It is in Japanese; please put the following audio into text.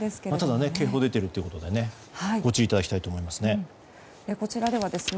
ただ警報出ているということでご注意いただきたいですね。